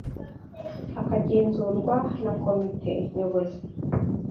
akagenzurwa na Komite Nyobozi